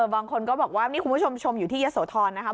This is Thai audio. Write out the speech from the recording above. บางคนก็บอกว่านี่คุณผู้ชมชมอยู่ที่ยะโสธรนะครับ